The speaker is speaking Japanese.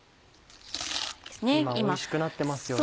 今おいしくなってますよね。